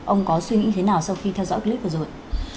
ông có suy nghĩ thế nào sau khi theo dõi clip vừa rồi